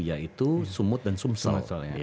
yaitu sumut dan sumsel